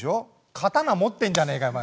刀持ってんじゃねえかお前。